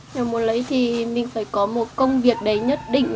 nếu muốn lấy thì mình phải có một công việc đấy nhất định